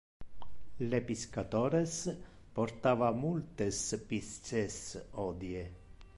Le piscatores portava multes pisces hodie.